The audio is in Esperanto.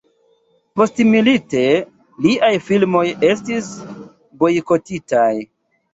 Postmilite liaj filmoj estis bojkotitaj.